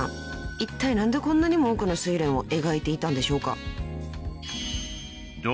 いったい何でこんなにも多くの『睡蓮』を描いていたんでしょうか？］